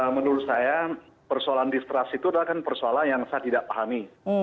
menurut saya persoalan distrust itu adalah kan persoalan yang saya tidak pahami